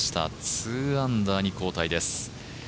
２アンダーに後退です。